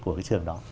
của cái trường đó